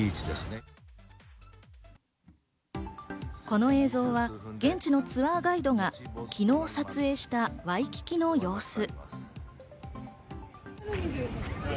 この映像は現地のツアーガイドが昨日撮影したワイキキの様子。